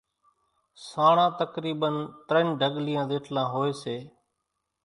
سانڻان تقريبن ترڃ ڍڳليان زيٽلان ھوئي سي۔